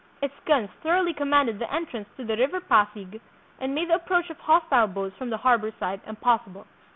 Its guns thoroughly commanded the entrance 178 THE PHILIPPINES. to the river Pasig and made the approach of hostile boats from the harbor side impossible.